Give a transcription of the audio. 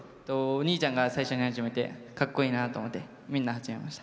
お兄ちゃんが最初に始めてかっこいいなと思ってみんな始めました。